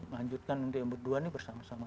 melanjutkan untuk yang berdua ini bersama sama